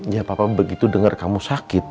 ya papa begitu dengar kamu sakit